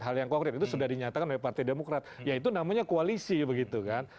hal yang konkret itu sudah dinyatakan oleh partai demokrat yaitu namanya koalisi begitu kan